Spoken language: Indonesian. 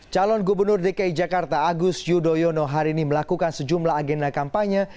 calon gubernur dki jakarta agus yudhoyono hari ini melakukan sejumlah agenda kampanye